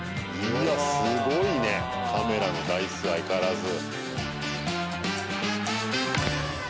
うわ、すごいねカメラの台数、相変わらず。